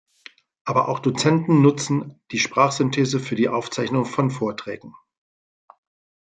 Aber auch Dozenten nutzen die Sprachsynthese für die Aufzeichnung von Vorträgen.